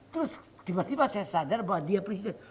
terus tiba tiba saya sadar bahwa dia presiden